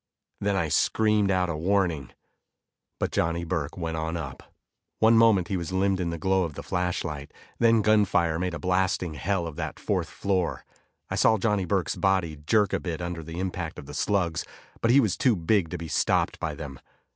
Then I screamed out a warning. But Johnny Burke went on up. One moment he was limned in the glow of the flashlight, then gunfire made a blasting hell of that fourth floor. I saw Johnny Burke's body jerk a bit under the impact of the slugs, but he was too big to be stopped by them.